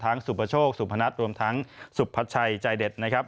ทั้งสุบประโชคสุบพนัสรวมทั้งสุบพัชชัยใจเด็ดนะครับ